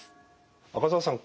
赤澤さん